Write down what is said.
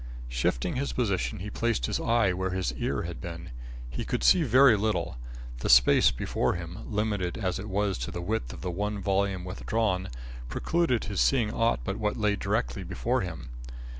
Shifting his position, he placed his eye where his ear had been. He could see very little. The space before him, limited as it was to the width of the one volume withdrawn, precluded his seeing aught but what lay directly before him.